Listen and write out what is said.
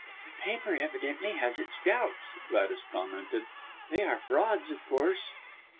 "This paper evidently has its doubts," Gladys commented. "They are frauds, of course."